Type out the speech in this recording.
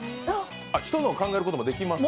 人のを考えることもできますか？